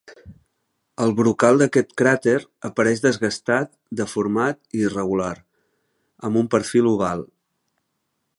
El brocal d'aquest cràter apareix desgastat, deformat i irregular, amb un perfil oval.